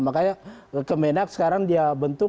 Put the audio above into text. makanya kemenak sekarang dia bentuk